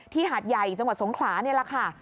หาดใหญ่จังหวัดสงขลานี่แหละค่ะ